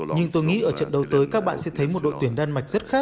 nhưng tôi nghĩ ở trận đấu tới các bạn sẽ thấy một đội tuyển đan mạch rất khác